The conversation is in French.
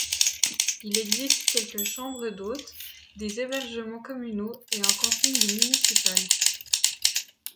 Il existe quelques chambres d'hôtes, des hébergements communaux et un camping municipal.